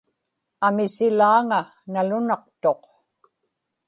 amisilaaŋa nalunaqtuq